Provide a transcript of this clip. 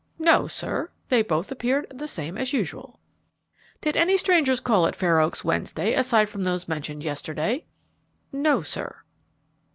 "No, sir; they both appeared the same as usual." "Did any strangers call at Fair Oaks Wednesday aside from those mentioned yesterday?" "No, sir."